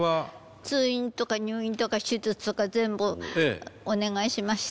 通院とか入院とか手術とか全部お願いしました。